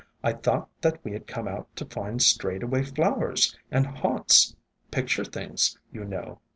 I thought that we had come out to find strayed away flowers and haunts — picture things, you know.